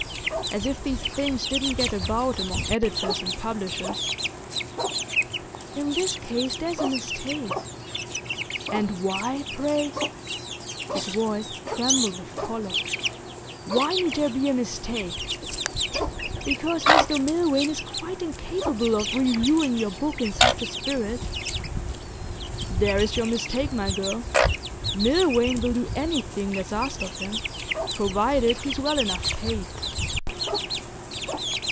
'As if these things didn't get about among editors and publishers!' 'In this case, there's a mistake.' 'And why, pray?' His voice trembled with choler. 'Why need there be a mistake?' 'Because Mr Milvain is quite incapable of reviewing your book in such a spirit.' 'There is your mistake, my girl. Milvain will do anything that's asked of him, provided he's well enough paid.